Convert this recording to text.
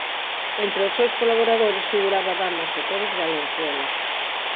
Entre os seus colaboradores figuraba Dámaso Pérez Valenzuela.